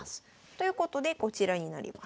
ということでこちらになります。